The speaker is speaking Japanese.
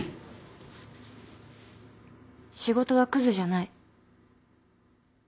仕事はくずじゃない。